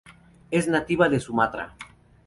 Es nativa de Sumatra.